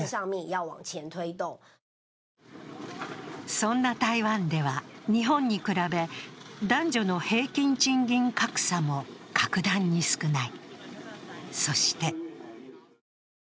そんな台湾では日本に比べ男女の平均賃金格差も格段に少ない。